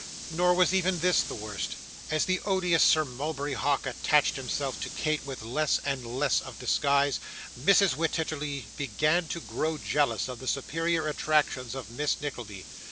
Nor was even this the worst. As the odious Sir Mulberry Hawk attached himself to Kate with less and less of disguise, Mrs. Wititterly began to grow jealous of the superior attractions of Miss Nickleby.